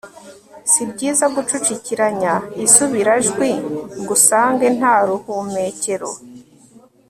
si byiza gucucikiranya isubirajwi ngo usange nta ruhumekero